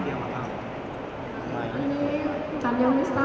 ที่มีความรู้สึกกว่าที่มีความรู้สึกกว่า